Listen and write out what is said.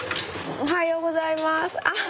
おはようございます。